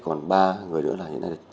còn ba người nữa là